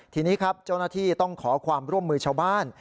ทีนี้ครับเจ้าหน้าที่ต้องขอความร่วมมือชาวบ้าน